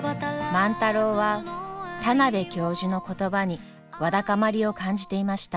万太郎は田邊教授の言葉にわだかまりを感じていました。